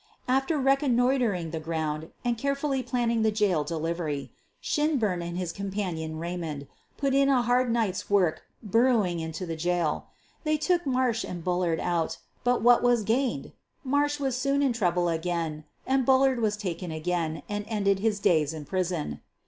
After reconnoitering the ground and carefully planning the jail delivery, Shinburn and his com panion, Eaymond, put in a hard nights work bur rowing into the jail. They took Marsh and Bullard out, but what was gained? Marsh was soon in trouble again and Bullard was taken again and ended his days in prison.